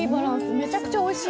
めちゃくちゃおいしい。